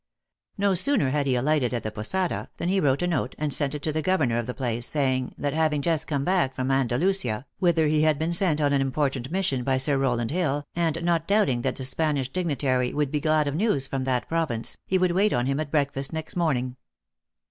~No sooner had he alighted at the posada, than he wrote a note, and sent it to the governor of the place, saying, that having just come back from Andalusia, whither he had been sent on an important mission by Sir Rowland Hill, and not doubting that the Spanish dignitary would be glad of news from that province, he would wait on him at breakfast next morning.